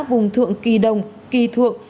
vùng thượng kỳ đồng kỳ thượng